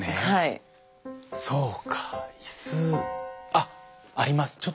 あっあります。